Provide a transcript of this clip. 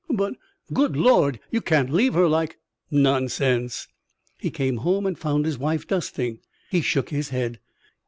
"But good Lord you can't leave her like " "Nonsense." He came home and found his wife dusting. He shook his head.